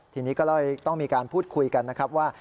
ทีนี้ก็เลยต้องมีการพูดคุยกันนะครับว่า